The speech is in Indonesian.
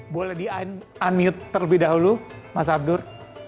boleh di unmute terlebih dahulu mas abdur